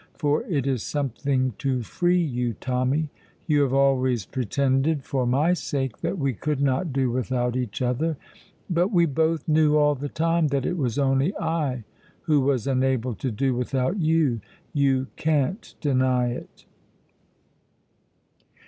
For it is something to free you, Tommy. You have always pretended, for my sake, that we could not do without each other, but we both knew all the time that it was only I who was unable to do without you. You can't deny it."